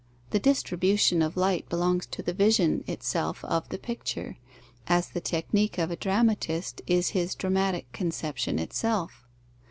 The distribution of light belongs to the vision itself of the picture; as the technique of a dramatist is his dramatic conception itself.